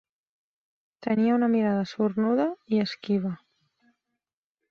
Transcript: Tenia una mirada sornuda i esquiva.